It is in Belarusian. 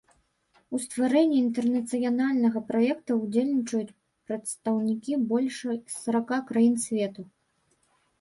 У стварэнні інтэрнацыянальнага праекта ўдзельнічаюць прадстаўнікі больш сарака краін свету.